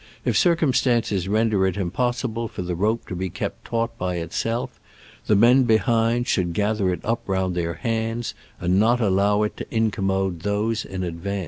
If circumstances render it im THE RIGHT WAY TO USB THE ROPB. possible for the rope to be kept taut by itself, the men behind should gather it up round their hands,^* and not allow it to incommode those in advance.